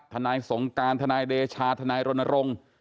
ทนายสงการทนายเดชาทนายรณรงค์